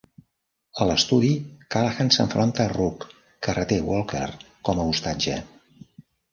A l'estudi, Callahan s'enfronta a Rook, que reté Walker com a hostatge.